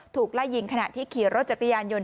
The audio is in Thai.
ไล่ยิงขณะที่ขี่รถจักรยานยนต